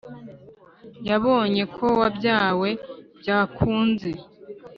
yabonye ko wabyawe byakunze,